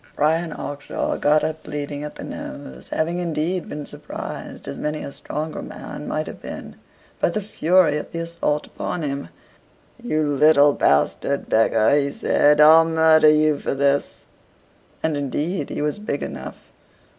Bryan Hawkshaw got up bleeding at the nose, having, indeed, been surprised, as many a stronger man might have been, by the fury of the assault upon him. "You little bastard beggar!" he said, "I'll murder you for this!" And indeed he was big enough.